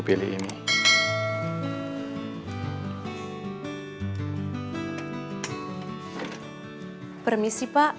iya tante makasih ya